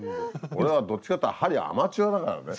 俺はどっちかっていうと針アマチュアだからね。